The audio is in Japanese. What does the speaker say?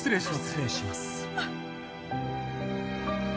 失礼します